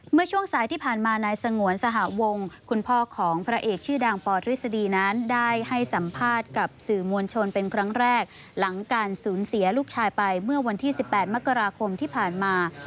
เมื่อช่วงสายที่ผ่านมานายสงวนสหวงคุณพ่อของพระเอกชื่อดังปทฤษฎีนั้นได้ให้สัมภาษณ์กับสื่อมวลชนเป็นครั้งแรกหลังการสูญเสียลูกชายไปเมื่อวันที่๑๘มกราคมที่ผ่านมา